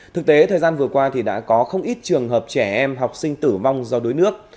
thực tế thời gian vừa qua thì đã có không ít trường hợp trẻ em học sinh tử vong do đuối nước